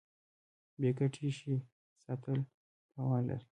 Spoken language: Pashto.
بې ګټې شی ساتل تاوان دی.